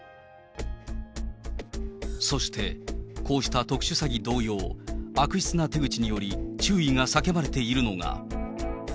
そして、こうした特殊詐欺同様、悪質な手口により、注意が叫ばれているのが。